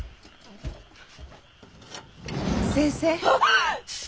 先生。